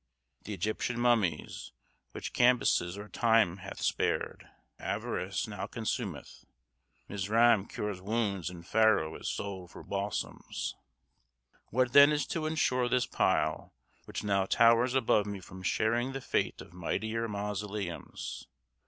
"The Egyptian mummies, which Cambyses or time hath spared, avarice now consumeth; Mizraim cures wounds, and Pharaoh is sold for balsams." * What then is to ensure this pile which now towers above me from sharing the fate of mightier mausoleums?